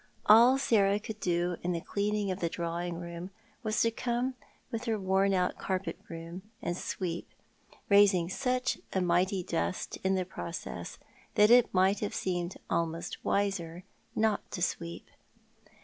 All Sarah could do in the cleaning of the drawing room was to come with her worn out carpet broom and sweep, raising such a mighty dust in the process that it might have seemed almost wiser not to sweep.